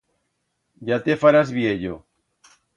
Ya te farás viello!